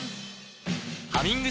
「ハミング」